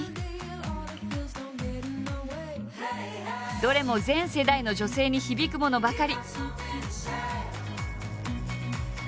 どれも全世代の女性に響くものばかり。